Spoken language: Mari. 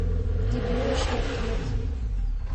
— Дебилыш луктыныт...